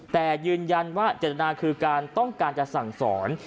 แต่ยืนยันว่าเจตนาคือการต้องการจะสั่งสอน